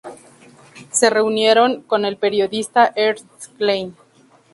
Se reunieron con el periodista Ernst Klein.